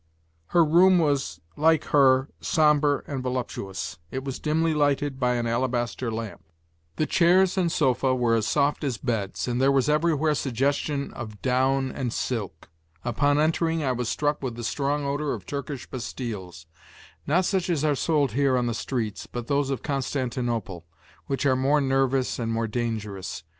Her room was, like her, somber and voluptuous; it was dimly lighted by an alabaster lamp. The chairs and sofa were as soft as beds, and there was everywhere suggestion of down and silk. Upon entering I was struck with the strong odor of Turkish pastilles, not such as are sold here on the streets, but those of Constantinople, which are more nervous and more dangerous.